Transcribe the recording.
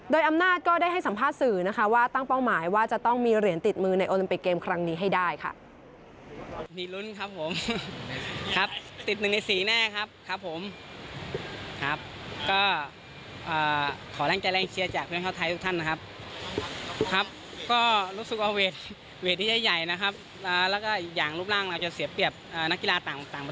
โดยอำนาจก็ได้ให้สัมภาษณ์สื่อนะคะว่าตั้งเป้าหมายว่าจะต้องมีเหรียญติดมือในโอลิมปิกเกมครั้งนี้ให้ได้ค่ะ